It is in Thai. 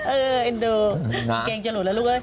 เออดูเก่งจะหลุดแล้วลูกเอ๊ย